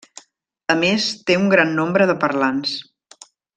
A més, té un gran nombre de parlants.